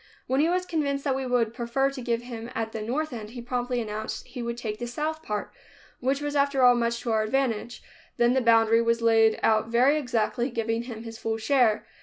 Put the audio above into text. When he was convinced that we would prefer to give him at the north end, he promptly announced that he would take the south part, which was after all much to our advantage. Then the boundary was laid out very exactly, giving him his full share.